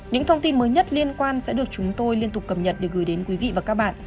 những thông tin mới nhất liên quan sẽ được chúng tôi liên tục cập nhật để gửi đến quý vị và các bạn